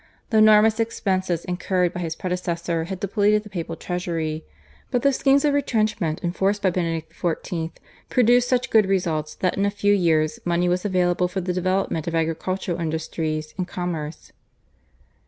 The enormous expenses incurred by his predecessor had depleted the papal treasury, but the schemes of retrenchment enforced by Benedict XIV. produced such good results that in a few years money was available for the development of agriculture, industries, and commerce.